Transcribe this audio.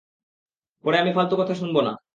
পরে আমি ফালতু কথা শুনবো না।